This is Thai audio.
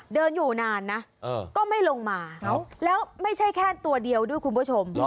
เดินอยู่นานนะก็ไม่ลงมาแล้วไม่ใช่แค่ตัวเดียวด้วยคุณผู้ชม